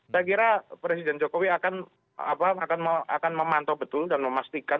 saya kira presiden jokowi akan memantau betul dan memastikan